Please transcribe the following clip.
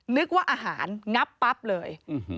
นึกว่าอาหารงับปั๊บเลย